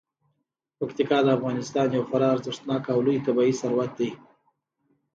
پکتیکا د افغانستان یو خورا ارزښتناک او لوی طبعي ثروت دی.